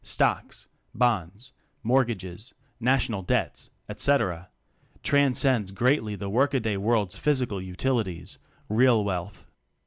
stocks, bonds, mortgages, national debts, etc. transcends great ly the workaday world's physical utilities real wealth.